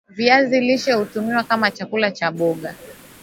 viazi lishe hutumika kama chakula na mboga